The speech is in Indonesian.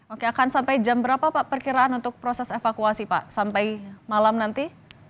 oke akan sampai jam berapa pak perkiraan untuk proses evakuasi pak sampai malam nanti